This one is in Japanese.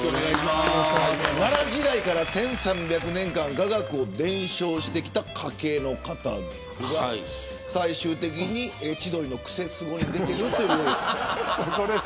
奈良時代から１３００年間雅楽を伝承してきた家系の方が最終的に千鳥のクセスゴに出ているという。